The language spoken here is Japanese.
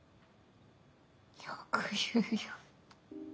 よく言うよ。